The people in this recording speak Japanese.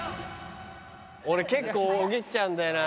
俺結構小木っちゃうんだよな。